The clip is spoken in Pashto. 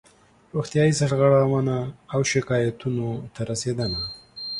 روغتیایي سرغړونو او شکایاتونو ته رسېدنه